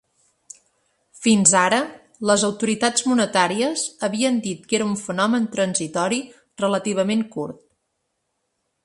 Fins ara, les autoritats monetàries havien dit que era un fenomen transitori relativament curt.